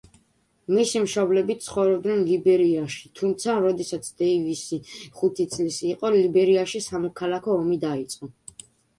მისი მშობლები ცხოვრობდნენ ლიბერიაში, თუმცა როდესაც დეივისი ხუთი წლის იყო, ლიბერიაში სამოქალაქო ომი დაიწყო.